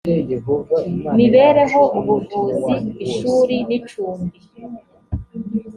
mibereho ubuvuzi ishuri n icumbi